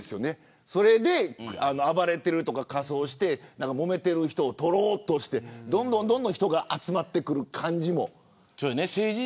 暴れてるとか仮装してもめてる人を撮ろうとしてどんどん人が集まってくる感じも。